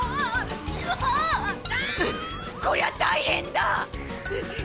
こりゃ大変だ！